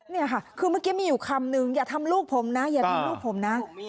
นี่ค่ะคือเมื่อกี้มีอยู่คำนึงอย่าทำลูกผมนะอย่าทำลูกผมนะ